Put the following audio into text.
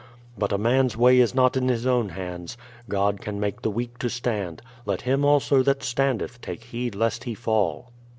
But a man's way is not in his own hands. God can make the weak to stand : let him also that standeth take heed lest he fall!